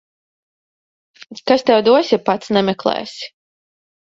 Kas tev dos, ja pats nemeklēsi.